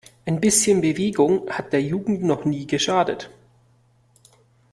Ein bisschen Bewegung hat der Jugend noch nie geschadet!